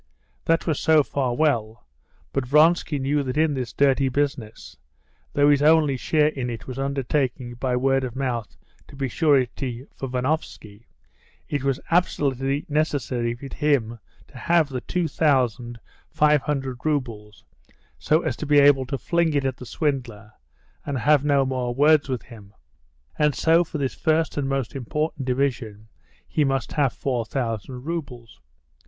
That was so far well, but Vronsky knew that in this dirty business, though his only share in it was undertaking by word of mouth to be surety for Venovsky, it was absolutely necessary for him to have the two thousand five hundred roubles so as to be able to fling it at the swindler, and have no more words with him. And so for this first and most important division he must have four thousand roubles.